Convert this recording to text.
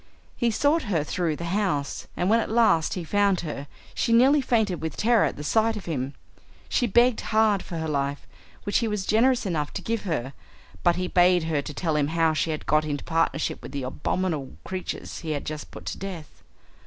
He sought her through the house, and when at last he found her, she nearly fainted with terror at the sight of him. She begged hard for life, which he was generous enough to give her, but he bade her to tell him how she had got into partnership with the abominable creatures he had just put to death.